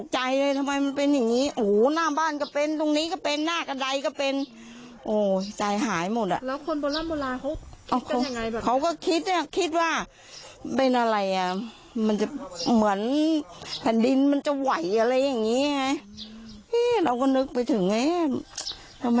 จริงมันขาดอย่างหนึ่งคุณ